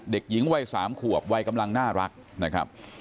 เด็กหญิงวัย๓ขวบวัยกำลังน่ารักนะครับ